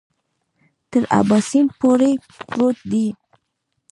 تر اباسین پورې پروت دی.